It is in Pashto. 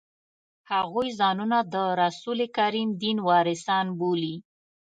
هغوی ځانونه د رسول کریم دین وارثان بولي.